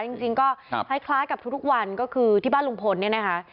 จริงก็คล้ายกับทุกวันก็คือที่บ้านลุงพลเนี่ยนะคะ